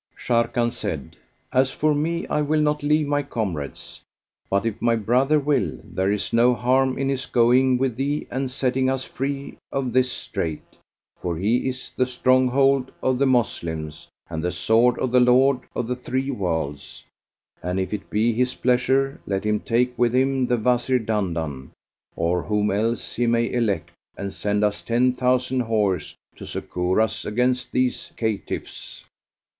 Sharrkan said, "As for me I will not leave my comrades; but, if my brother will, there is no harm in his going with thee and setting us free of this strait; for he is the stronghold of the Moslems and the sword of the Lord of the three Worlds; and if it be his pleasure, let him take with him the Wazir Dandan, or whom else he may elect and send us ten thousand horse to succour us against these caitiffs."